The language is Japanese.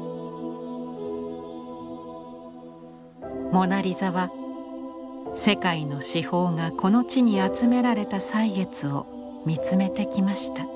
「モナ・リザ」は世界の至宝がこの地に集められた歳月を見つめてきました。